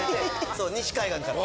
・そう西海岸から。